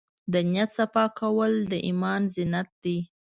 د نیت صفا کول د ایمان زینت دی.